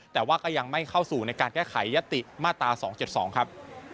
แต่ว่าก็ยังไม่เข้าสู่ในการแก้ไขยติมาตรา๒๗๒ครับ